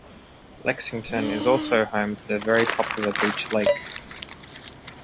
Lexington is also home to the very popular Beech Lake.